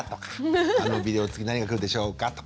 「あのビデオ次何がくるでしょうか？」とか。